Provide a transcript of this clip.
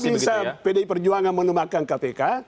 bagaimana bisa pdi perjuangan melemahkan kpk